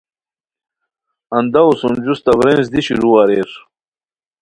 انداوؤ سُم جوستہ ورینجځ دی شروع اریر